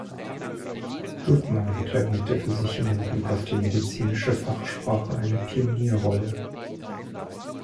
Guttmann reklamierte für sich in Hinblick auf die medizinische Fachsprache eine Pionierrolle.